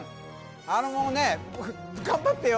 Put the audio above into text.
あのままね頑張ってよ